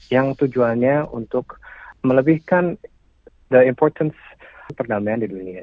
yang tujuannya untuk melebihkan the importance perdamaian di dunia